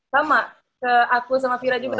sama ke aku sama fira juga